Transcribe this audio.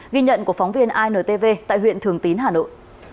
ghi nhận của phóng viên intv tại huyện thường tín hà nội